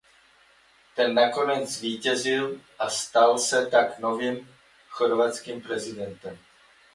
Ten nakonec zvítězil a stal se tak novým chorvatským prezidentem.